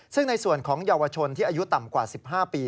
ซึ่งในส่วนของเยาวชนที่อายุต่ำกว่า๑๕ปี